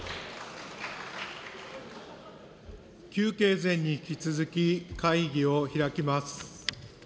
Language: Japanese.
休憩前に引き続き、会議を開きます。